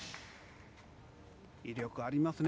威力ありますね